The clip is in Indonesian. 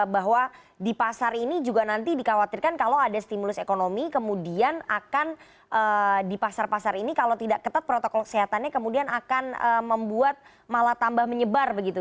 bahwa di pasar ini juga nanti dikhawatirkan kalau ada stimulus ekonomi kemudian akan di pasar pasar ini kalau tidak ketat protokol kesehatannya kemudian akan membuat malah tambah menyebar begitu